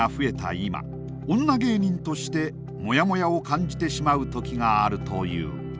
今女芸人としてモヤモヤを感じてしまう時があるという。